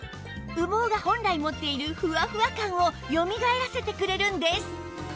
羽毛が本来持っているふわふわ感をよみがえらせてくれるんです